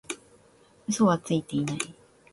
嘘はついてない